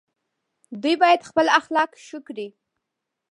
دوی باید خپل اخلاق ښه کړي.